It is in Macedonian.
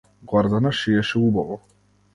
Гордана шиеше убаво.